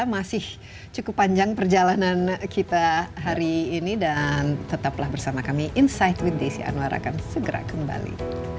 masih cukup panjang perjalanan kita hari ini dan tetaplah bersama kami insight with desi anwar akan segera kembali